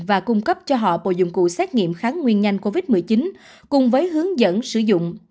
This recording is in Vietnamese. và cung cấp cho họ bộ dụng cụ xét nghiệm kháng nguyên nhanh covid một mươi chín cùng với hướng dẫn sử dụng